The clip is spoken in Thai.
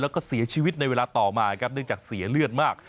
แล้วก็เสียชีวิตในเวลาต่อมาครับเนื่องจากเสียเลือดมาก